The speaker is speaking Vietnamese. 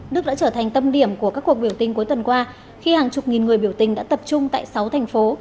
đức đã trở thành tâm điểm của các cuộc biểu tình cuối tuần qua khi hàng chục nghìn người biểu tình đã tập trung tại sáu thành phố